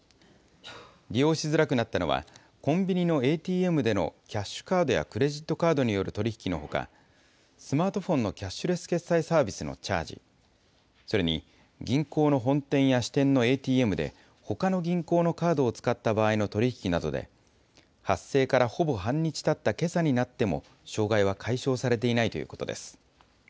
利用しづらくなったのは、コンビニのＡＴＭでのキャッシュカードやクレジットカードによる取り引きのほか、スマートフォンのキャッシュレス決済サービスのチャージ、それに、銀行の本店や支店のＡＴＭで、ほかの銀行のカードを使った場合の取り引きなどで、発生からほぼ半日たったけさになっても障害は解消されていないということです。